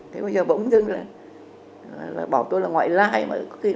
thế bây giờ bỗng dưng là bảo tôi là ngoại lai